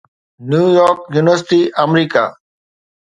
نيو York university, آمريڪا